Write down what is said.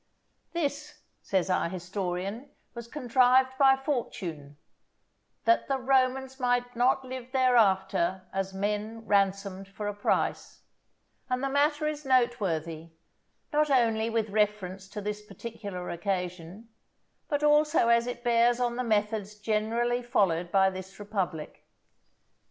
This, says our historian, was contrived by Fortune, "that the Romans might not live thereafter as men ransomed for a price," and the matter is noteworthy, not only with reference to this particular occasion, but also as it bears on the methods generally followed by this republic.